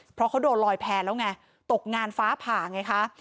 เพราะเขาโดนลอยแพร่แล้วไงตกงานฟ้าผ่าไงคะ